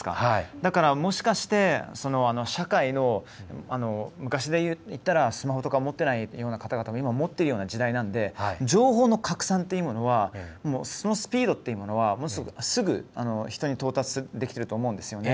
だから、もしかして社会の昔でいったらスマホとか持っていない方が、今は持っている時代なので情報の拡散というものがスピードというのがすぐ人に到達すると思うんですよね。